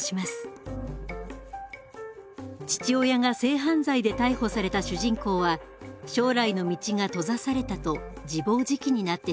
父親が性犯罪で逮捕された主人公は将来の道が閉ざされたと自暴自棄になってしまいます。